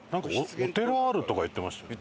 お寺あるとか言ってましたよね。